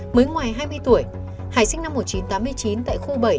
mới ngoài hai mươi tuổi hải sinh năm một nghìn chín trăm tám mươi chín tại khu bảy